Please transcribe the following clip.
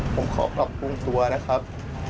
ผมขอประพุทธตัวนะครับ